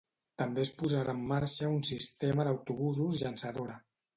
També es posarà en marxa un sistema d'autobusos llançadora.